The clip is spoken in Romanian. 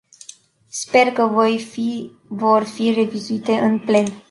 Sper că vor fi revizuite în plen.